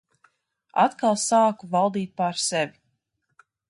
Atkal sāku valdīt pār sevi.